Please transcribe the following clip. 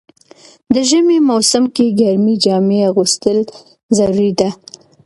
د ژمی موسم کی ګرمی جامی اغوستل ضروري ده.